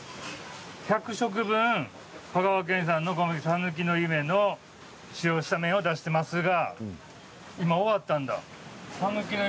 １００食分香川県産小麦粉・さぬきの夢の使用した麺を出してますが。